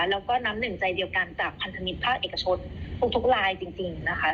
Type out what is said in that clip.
แล้วก็น้ำหนึ่งใจเดียวกันจากพันธมิตรภาคเอกชนทุกลายจริงนะคะ